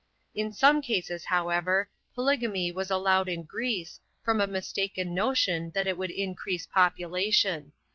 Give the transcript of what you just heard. In some cases, however, polygamy was allowed in Greece, from a mistaken notion that it would increase population.